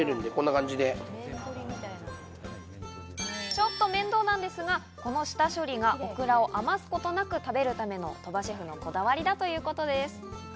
ちょっと面倒なんですが、この下処理がオクラを余すことなく食べるための、鳥羽シェフのこだわりだということです。